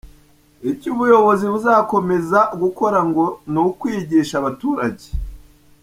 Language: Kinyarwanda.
Icyo ubuyobozi buzakomeza gukora ngo ni ukwigisha abaturage.